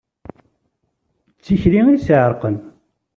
D tikli i s-iɛerqen.